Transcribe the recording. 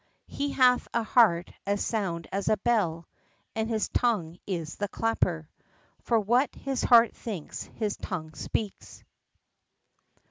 "He hath a heart as sound as a bell, and his tongue is the clapper. For what his heart thinks his tongue speaks."